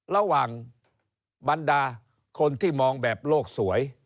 ระหว่างบรรดาคนที่มองแบบโลกสวย